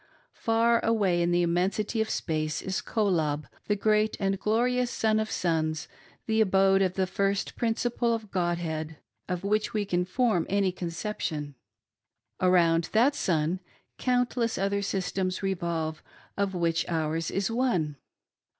' Far away in the immensity of space is "Kolob" — the great and glorious sun of suns, the abode of the First Principle of Godhead of which we can form any conception. Around that Sun, countless other systems revolve, of which ours is one.